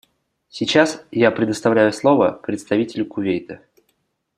Сейчас я предоставляю слово представителю Кувейта.